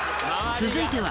続いては。